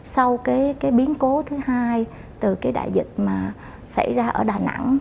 sau biến cố thứ hai từ đại dịch xảy ra ở đà nẵng